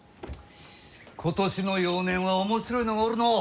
今年の幼年は面白いのがおるのう。